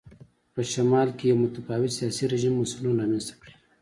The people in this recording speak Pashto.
په شمال کې یو متفاوت سیاسي رژیم بنسټونه رامنځته کړي.